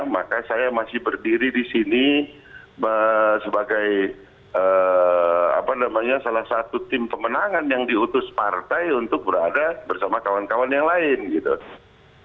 maka saya masih berdiri di sini sebagai salah satu tim pemenangan yang diutus partai untuk berada bersama kawan kawan yang lain gitu